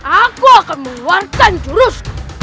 aku akan mengeluarkan jurus